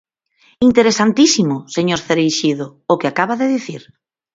Interesantísimo, señor Cereixido, o que acaba de dicir.